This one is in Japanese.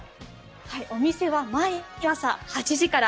お店は毎朝８時から。